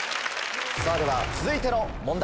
では続いての問題。